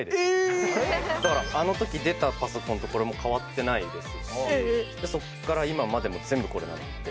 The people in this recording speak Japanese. だからあの時出たパソコンとこれも変わってないですしそっから今までも全部これなので。